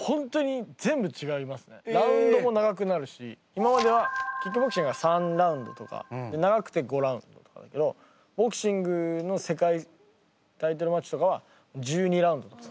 今まではキックボクシングは３ラウンドとか長くて５ラウンドとかだけどボクシングの世界タイトルマッチとかは１２ラウンドとか。